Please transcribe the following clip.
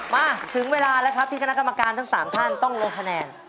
มาถึงเวลาแล้วครับที่คณะกรรมการทั้ง๓ท่านต้องลงคะแนน